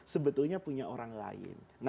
sebetulnya punya orang lain